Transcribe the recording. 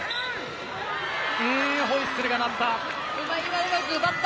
ホイッスルが鳴った。